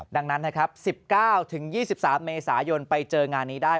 ดังนั้นนะครับ๑๙๒๓เมษายนไปเจองานนี้ได้